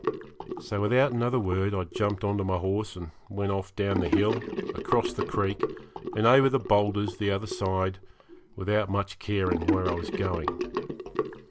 So without another word I jumped on to my horse and went off down the hill, across the creek, and over the boulders the other side, without much caring where I was going.